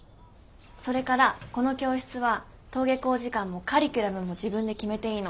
それからこの教室は登下校時間もカリキュラムも自分で決めていいの。